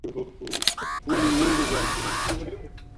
kusaidiwa kupata matibabu na ushauri nasaha na kurejeshwa katika jamii